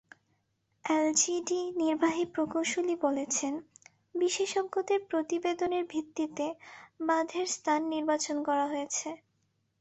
এলজিইডির নির্বাহী প্রকৌশলী বলেছেন, বিশেষজ্ঞদের প্রতিবেদনের ভিত্তিতে বাঁধের স্থান নির্বাচন করা হয়েছে।